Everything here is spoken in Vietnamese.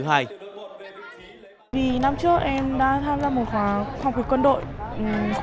vì năm trước em đã tham gia một khóa học quân đội khóa một